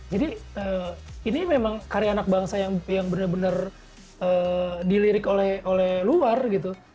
jadi ini memang karya anak bangsa yang benar benar dilirik oleh luar gitu